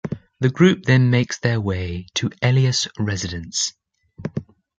The group then makes their way to Elias residence.